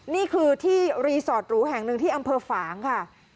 นี่คือที่รีสอร์ทหรูแห่งหนึ่งที่อำเภอฝางค่ะ